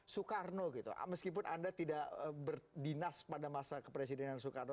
soekarno gitu meskipun anda tidak berdinas pada masa kepresidenan soekarno